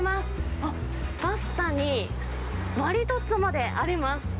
あっ、パスタにマリトッツォまであります。